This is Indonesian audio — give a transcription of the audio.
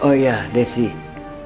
besok saya mulai usaha ayam potong harimu